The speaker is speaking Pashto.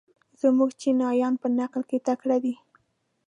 زموږ چینایان په نقل کې تکړه دي.